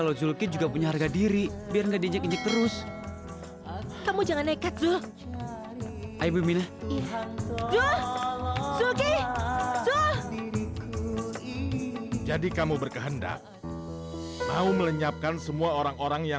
sampai jumpa di video selanjutnya